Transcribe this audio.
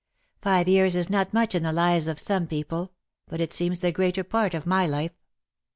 Five years is not much in the lives of some people ; but it seems the greater part of my life.